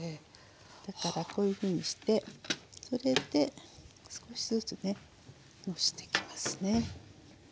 だからこういうふうにしてそれで少しずつねのしていきますね。